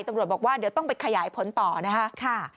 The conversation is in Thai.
ตำรวจบอกว่าเดี๋ยวต้องไปขยายผลต่อนะคะ